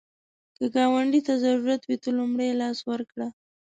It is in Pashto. که ګاونډي ته ضرورت وي، ته لومړی لاس ورکړه